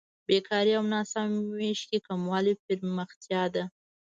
بېکارۍ او ناسم وېش کې کموالی پرمختیا ده.